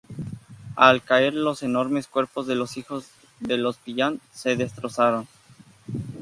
Al caer, los enormes cuerpos de los hijos de los pillán se destrozaron.